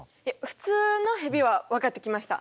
普通のヘビは分かってきました。